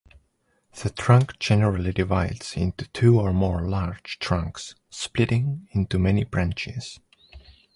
The trunk generally divides into two or more large trunks splitting into many branches.